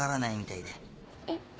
えっ？